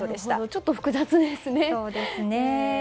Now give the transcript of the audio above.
ちょっと複雑ですね。